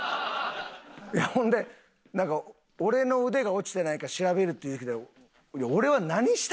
いやほんでなんか俺の腕が落ちてないか調べるって言うけど。